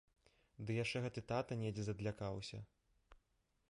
Ды яшчэ гэты тата недзе задлякаўся!